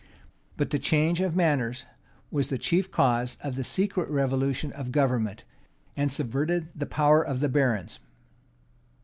But the change of manners was the chief cause of the secret revolution of government, and subverted the power of the barons.